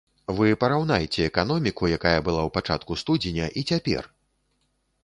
Вы параўнайце эканоміку, якая была ў пачатку студзеня, і цяпер!